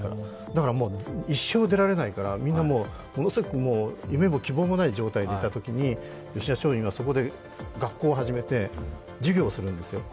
だからもう一生出られないから、みんな、ものすごく夢も希望もない状態にいたときに吉田松陰はそこで学校を始めて授業をするんですよ。